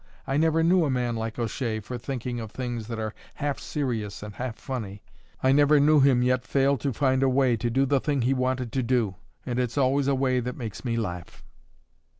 I never knew a man like O'Shea for thinking of things that are half serious and half funny. I never knew him yet fail to find a way to do the thing he wanted to do; and it's always a way that makes me laugh."